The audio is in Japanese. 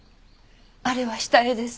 あれは下絵です。